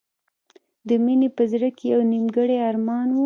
د مینې په زړه کې یو نیمګړی ارمان و